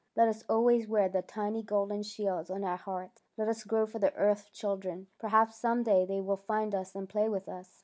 Let us always wear the tiny golden shields on our hearts. Let us grow for the earth children. Perhaps some day they will find us and play with us!